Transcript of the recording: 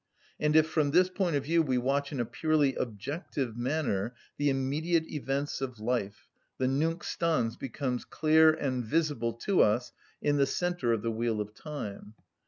And if from this point of view we watch in a purely objective manner the immediate events of life, the Nunc stans becomes clear and visible to us in the centre of the wheel of time.